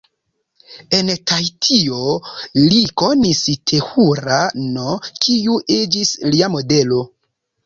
En Tahitio, li konis Tehura-n, kiu iĝis lia modelo.